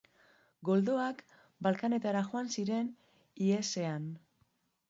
Godoak Balkanetara joan ziren ihesean.